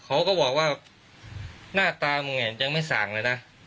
เขาก็บอกว่าหน้าตามึงยังไม่สั่งเลยนะ